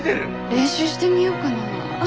練習してみようかな。